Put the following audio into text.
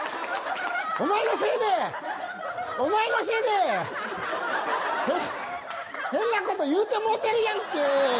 お前のせいでお前のせいで変なこと言うてもうてるやんけ。